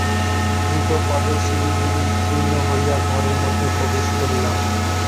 দ্রুতপদে সিঁড়িগুলি উত্তীর্ণ হইয়া ঘরের মধ্যে প্রবেশ করিলাম।